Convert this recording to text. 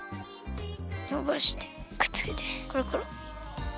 のばしてくっつけてころころ。